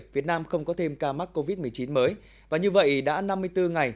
việt nam không có thêm ca mắc covid một mươi chín mới và như vậy đã năm mươi bốn ngày